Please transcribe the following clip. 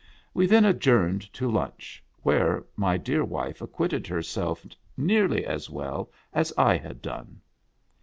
We then adjourned to lunch, where my dear wife acquitted herself nearly as well as I had done.